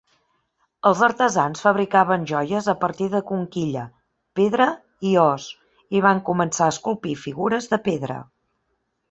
Els artesans fabricaven joies a partir de conquilla, pedra i os, i van començar a esculpir figures de pedra.